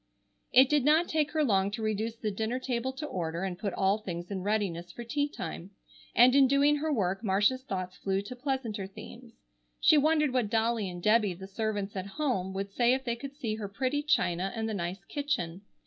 It did not take her long to reduce the dinner table to order and put all things in readiness for tea time; and in doing her work Marcia's thoughts flew to pleasanter themes. She wondered what Dolly and Debby, the servants at home, would say if they could see her pretty china and the nice kitchen.